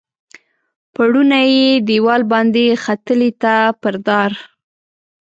پوړونی یې دیوال باندې ختلي دي پر دار